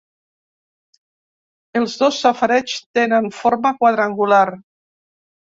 Els dos safareigs tenen forma quadrangular.